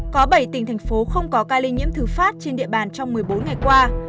có bảy tỉnh thành phố không có ca lây nhiễm thứ phát trên địa bàn trong một mươi bốn ngày qua